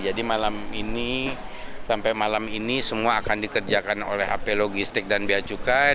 jadi malam ini sampai malam ini semua akan dikerjakan oleh ap logistik dan bacukai